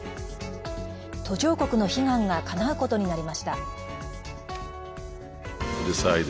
途上国の悲願がかなうことになりました。